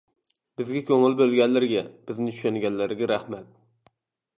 بىزگە كۆڭۈل بۆلگەنلىرىگە، بىزنى چۈشەنگەنلىرىگە رەھمەت.